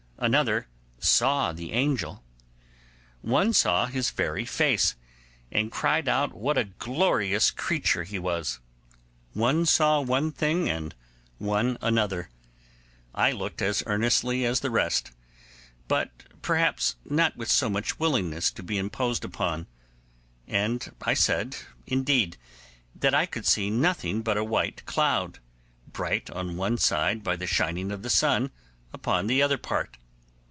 Another saw the angel. One saw his very face, and cried out what a glorious creature he was! One saw one thing, and one another. I looked as earnestly as the rest, but perhaps not with so much willingness to be imposed upon; and I said, indeed, that I could see nothing but a white cloud, bright on one side by the shining of the sun upon the other part.